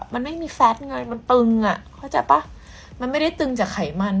มันไม่มีแฟทไงมันตึงอ่ะเข้าใจป่ะมันไม่ได้ตึงจากไขมัน